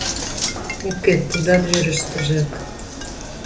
Уке, тудат верыштыжак.